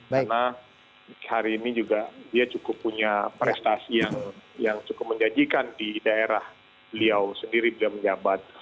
karena hari ini juga dia cukup punya prestasi yang cukup menjanjikan di daerah beliau sendiri beliau menjabat